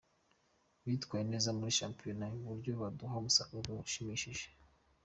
Bitwaye neza muri shampiyona ku buryo baduha umusaruro ushimishije.